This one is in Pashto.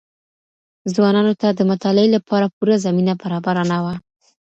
ځوانانو ته د مطالعې لپاره پوره زمينه برابره نه وه.